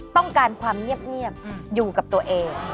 ต้องการความเงียบอยู่กับตัวเอง